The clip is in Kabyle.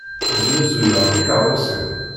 Znuzuyeɣ tikeṛṛusin.